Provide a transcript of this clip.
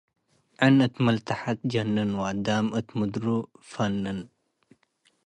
ዕን እት መልትሐ ትጀንን ወአዳም እት ምድሩ ቨንን።